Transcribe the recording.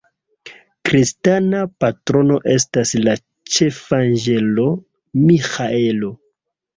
Kristana patrono estas la ĉefanĝelo Miĥaelo.